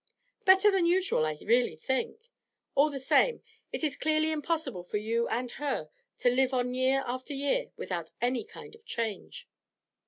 'Better than usual, I really think. All the same, it is clearly impossible for you and her to live on year after year without any kind of change.'